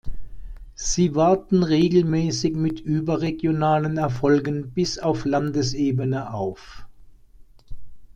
Sie warten regelmäßig mit überregionalen Erfolgen bis auf Landesebene auf.